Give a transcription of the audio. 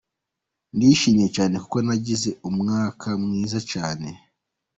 Ndishimye cyane kuko nagize umwaka mwiza cyane.